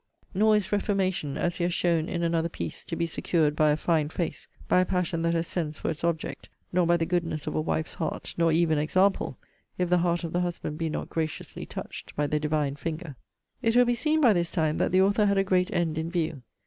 Nor is reformation, as he has shown in another piece, to be secured by a fine face; by a passion that has sense for its object; nor by the goodness of a wife's heart, nor even example, if the heart of the husband be not graciously touched by the Divine finger. It will be seen, by this time, that the author had a great end in view.